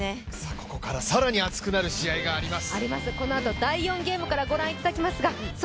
ここから更に熱くなる試合があります。